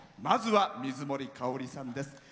まずは、水森かおりさんです。